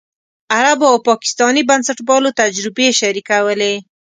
عربو او پاکستاني بنسټپالو تجربې شریکولې.